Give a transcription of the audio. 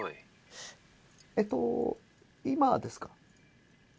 えっと今ですか？